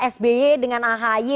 sby dengan ahy